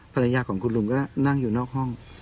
ภรรยาของคุณลุงก็นั่งอยู่นอกห้อง